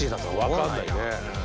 分かんないね。